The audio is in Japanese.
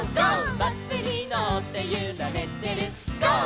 「バスにのってゆられてるゴー！